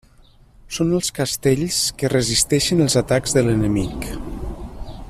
Són els castells, que resisteixen els atacs de l'enemic.